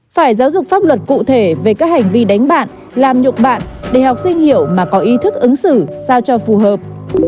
phải giáo dục pháp luật cụ thể về các hành vi đánh bạn làm nhục bạn để học sinh hiểu mà có ý thức ứng xử sao cho phù hợp